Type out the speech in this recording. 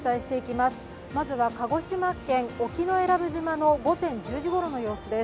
まずは鹿児島県沖永良部島の午前１０時ごろの様子です。